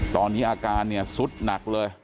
ตอนนี้อาการเนี่ยสุดหนักเลย